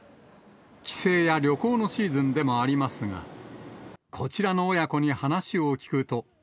帰省や旅行のシーズンでもありますが、こちらの親子に話を聞くと。